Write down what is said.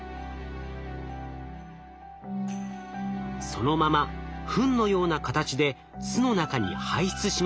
そのままふんのような形で巣の中に排出します。